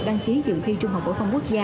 họ đã đăng ký dự thi trung học phổ thông quốc gia